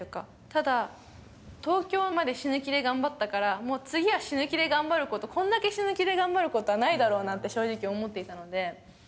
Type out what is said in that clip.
ただ、東京まで死ぬ気で頑張ったから、もう次は死ぬ気で頑張ること、こんだけ死ぬ気で頑張ることはないだろうなって正直思っていたので。